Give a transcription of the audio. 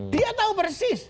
dia tahu persis